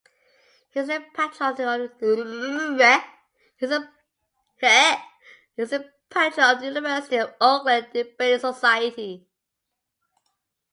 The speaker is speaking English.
He is the patron of the University of Auckland Debating Society.